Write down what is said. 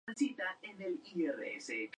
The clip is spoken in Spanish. Es el tercer estadio con más capacidad del país.